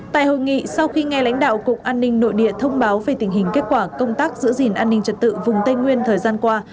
tại hội nghị sau khi nghe lãnh đạo cục an ninh nội địa thông báo về tình hình kết quả công tác giữ gìn an ninh trật tự vùng tây nguyên thời gian qua